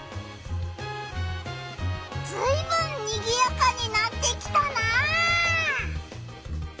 ずいぶんにぎやかになってきたな！